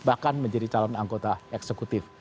bahkan menjadi calon anggota eksekutif